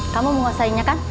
kamu mau ngasainya kan